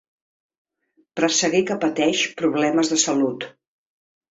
Presseguer que pateix problemes de salut.